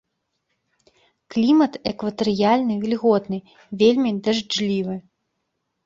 Клімат экватарыяльны вільготны, вельмі дажджлівы.